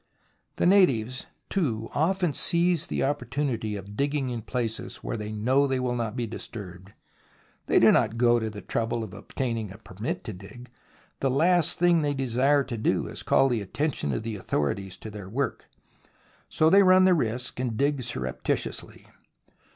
The natives, too, often seize the opportunity of digging in places where they know they will not be disturbed. They do not go to the trouble of obtaining a permit to dig. The last thing they desire to do is to call the attention of the authorities to their work, so they run the risk and dig sur reptitiously.